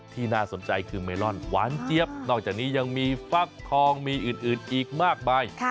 น่าสนใจคือเมลอนหวานเจี๊ยบนอกจากนี้ยังมีฟักทองมีอื่นอีกมากมาย